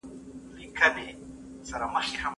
زه باید اوبه وڅښم!!